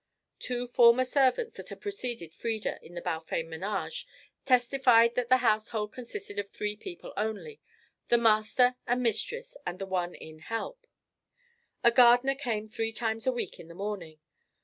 Two former servants that had preceded Frieda in the Balfame menage testified that the household consisted of three people only, the master and mistress and the one in help. A gardener came three times a week in the morning.